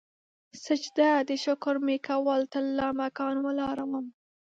سجده د شکر مې کول ترلا مکان ولاړمه